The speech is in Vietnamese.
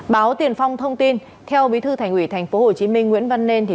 báo tiền phong thông tin theo bí thư thành ủy tp hcm nguyễn văn nên